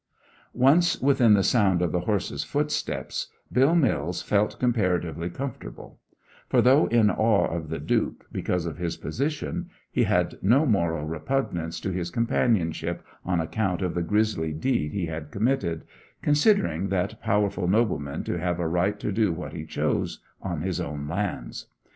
Once within the sound of the horse's footsteps, Bill Mills felt comparatively comfortable; for, though in awe of the Duke because of his position, he had no moral repugnance to his companionship on account of the grisly deed he had committed, considering that powerful nobleman to have a right to do what he chose on his own lands.